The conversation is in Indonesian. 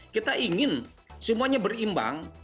kita ingin semuanya berimbang